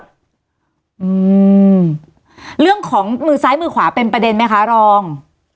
อืมเรื่องของมือซ้ายมือขวาเป็นประเด็นไหมคะรอง